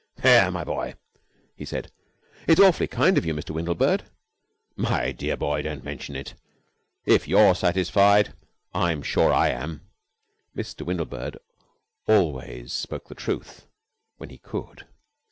"There, my boy," he said. "It's awfully kind of you, Mr. Windlebird." "My dear boy, don't mention it. If you're satisfied, I'm sure I am." Mr. Windlebird always spoke the truth when he could.